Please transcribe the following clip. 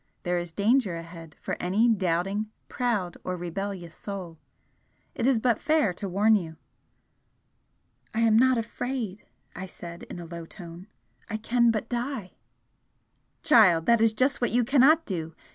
There is danger ahead for any doubting, proud, or rebellious soul, it is but fair to warn you!" "I am not afraid!" I said, in a low tone "I can but die!" "Child, that is just what you cannot do!